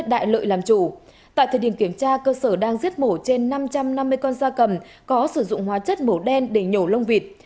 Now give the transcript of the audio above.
tại thời điểm kiểm tra cơ sở đang giết mổ trên năm trăm năm mươi con da cầm có sử dụng hóa chất mổ đen để nhổ lông vịt